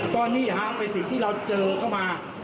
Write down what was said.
ก็นี่ฮะเป็นสิ่งที่เราเจอเข้ามา